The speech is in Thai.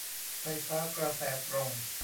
ไฟฟ้ากระแสตรง